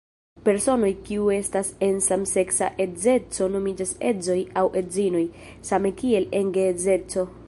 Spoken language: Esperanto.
Personoj kiu estas en samseksa edzeco nomiĝas edzoj aŭ edzinoj, same kiel en geedzeco.